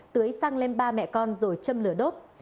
tưới xăng lên ba mẹ con rồi châm lửa đốt